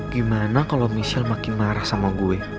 gimana kalau michelle makin marah sama gue